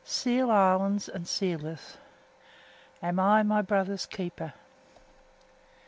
SEAL ISLANDS AND SEALERS. "Am I my brother's keeper?"